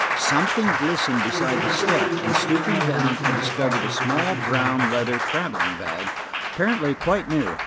Something glistened beside the step, and stooping down I discovered a small brown leather traveling bag, apparently quite new.